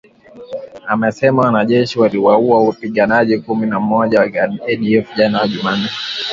Amesema wanajeshi waliwaua wapiganaji kumi na mmoja wa ADF jana Jumanne